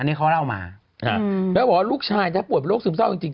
อันนี้เขาเล่ามาอืมแล้วบอกว่าลูกชายถ้าปวดโรคซึมเศร้าจริงจริง